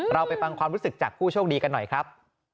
เราไปฟังความรู้สึกจากผู้โชคดีกันหน่อยครับ